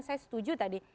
saya setuju tadi